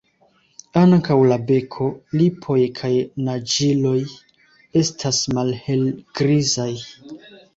Ankaŭ la beko, lipoj kaj naĝiloj estas malhelgrizaj.